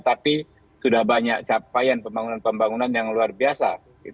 tapi sudah banyak capaian pembangunan pembangunan yang luar biasa